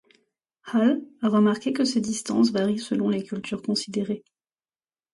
Hall a remarqué que ces distances varient selon les cultures considérées.